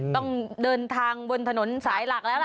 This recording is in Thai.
ต้องเดินทางบนถนนสายหลักแล้วล่ะ